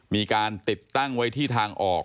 มีการติดตั้งไว้ที่ทางออก